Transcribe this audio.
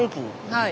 はい。